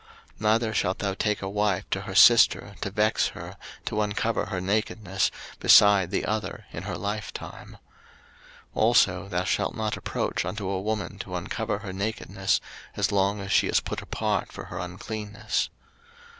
03:018:018 Neither shalt thou take a wife to her sister, to vex her, to uncover her nakedness, beside the other in her life time. 03:018:019 Also thou shalt not approach unto a woman to uncover her nakedness, as long as she is put apart for her uncleanness.